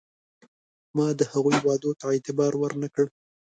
ما د هغوی وعدو ته اعتبار ور نه کړ.